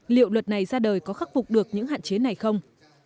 liệu luật này ra đời có khắc phục được những hạn chế này không